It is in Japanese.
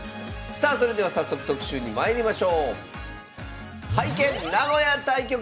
さあそれでは早速特集にまいりましょう。